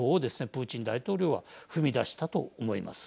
プーチン大統領は踏み出したと思います。